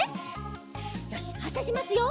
よしはっしゃしますよ。